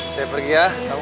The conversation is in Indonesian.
saya pergi ya assalamualaikum